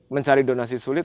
mencari donasi sulit